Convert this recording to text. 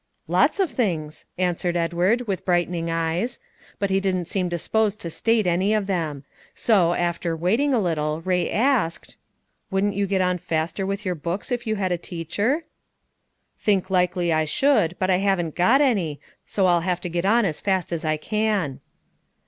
"Lots of things," answered Edward, with brightening eyes. But he didn't seem disposed to state any of them; so, after waiting a little, Ray asked, "Wouldn't you get on faster with your books if you had a teacher?" "Think likely I should; but I haven't got any, so I'll have to get on as fast as I can."